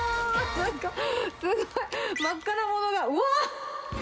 なんかすごい、真っ赤なものが、うわー！